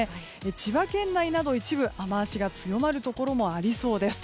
千葉県など一部雨脚が強まるところもありそうです。